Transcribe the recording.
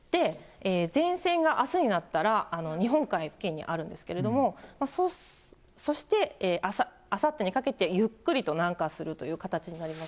前線があすになったら日本海付近にあるんですけれども、そして、あさってにかけてゆっくりと南下するという形になります。